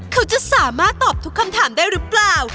เขาจะสามารถตอบทุกคำถามได้หรือเปล่า